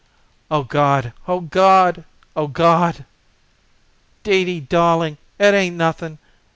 "O God! O God! O God!" "Dee Dee darling, it ain't nothing!